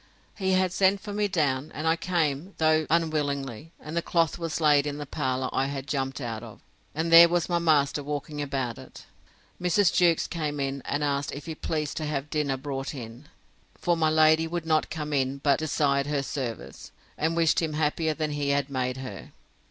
He had sent for me down, and I came, though unwillingly, and the cloth was laid in the parlour I had jumped out of; and there was my master walking about it. Mrs. Jewkes came in, and asked, if he pleased to have dinner brought in? for my lady would not come in, but desired her service, and wished him happier than he had made her.